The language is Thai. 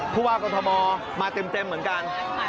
เพราะว่ากรมธมมาเต็มเหมือนกัน